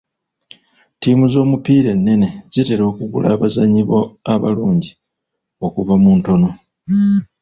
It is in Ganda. Ttiimu z'omupiira ennene zitera okugula abazannyi abalungi okuva mu ntono.